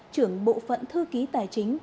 trưởng bộ phận thư ký tài chính công an